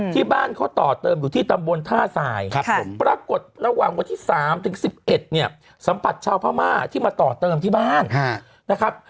ที่บ้านเขาต่อเติมอยู่ที่ตำบลท่าสายปรากฏระหว่างวันที่๓ถึง๑๑เนี่ยสัมผัสชาวพม่าที่มาต่อเติมที่บ้านนะครับ